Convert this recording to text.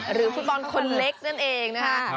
หรือฟุตบอลคนเล็กนั่นเองนะคะ